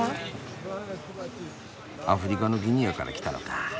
アフリカのギニアから来たのかあ。